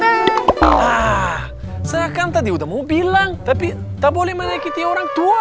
ah saya kan tadi udah mau bilang tapi tak boleh menaiki orang tua